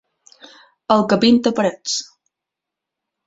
El que pinta parets.